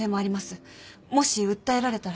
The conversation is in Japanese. もし訴えられたら。